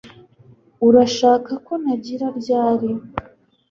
Urashaka ko ntangira ryari